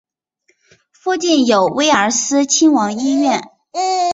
附近有威尔斯亲王医院。